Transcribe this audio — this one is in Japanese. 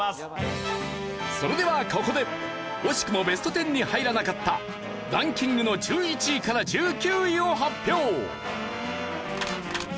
それではここで惜しくもベスト１０に入らなかったランキングの１１位から１９位を発表。